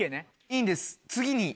いいんです。